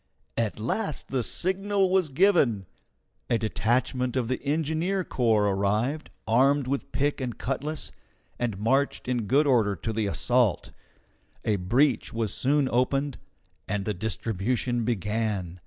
At last the signal was given. A detachment of the engineer corps arrived, armed with pick and cutlass, and marched in good order to the assault. A breach was soon opened, and the distribution began.